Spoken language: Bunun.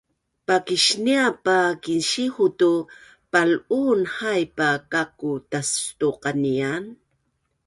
Pakisniap a Kinsihu’ tu pal’uun haip a kaku’ tastuqanian